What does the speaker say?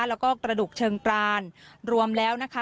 แล้วก็กระดูกเชิงปรานรวมแล้วนะคะ